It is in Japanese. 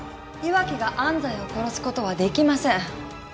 岩城が安西を殺すことはできません。